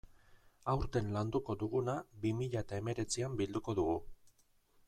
Aurten landuko duguna bi mila eta hemeretzian bilduko dugu.